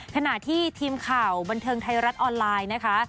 ขณะที่ทีมข่าวบันเทิงไทยรัฐออนไลน์นะคะ